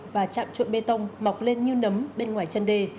và chạm trộn bê tông mọc lên như nấm bên ngoài chân đê